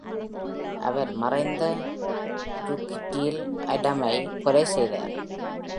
அவர் மறைந்த Yekutiel Adam-ஐ கொலை செய்தார்.